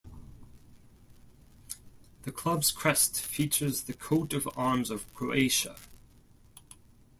The club's crest features the Coat of Arms of Croatia.